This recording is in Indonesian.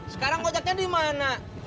sekarang kojaknya di mana